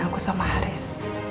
aku sama haris